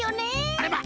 あれま！